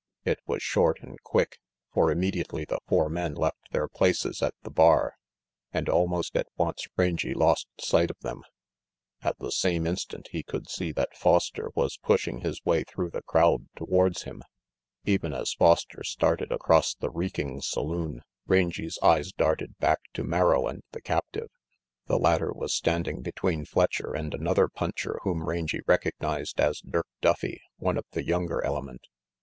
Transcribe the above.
It was short and quick, for immediately the four men left their places at the bar and almost at once Rangy lost sight of them. At the same instant he could see that Foster was : RANGY PETE 207 pushing his way through the crowd towards him. Even as Foster started across the reeking saloon, Rangy 's eyes darted back to Merrill and the captive. The latter was standing between Fletcher and another puncher whom Rangy recognized as Dirk Duffy, one of the younger element.